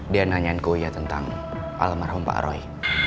dia nanyaanku ya tentang alam marhum pak roy